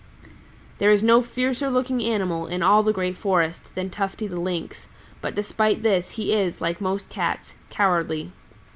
"There is no fiercer looking animal in all the Green Forest than Tufty the Lynx, but despite this he is, like most Cats, cowardly.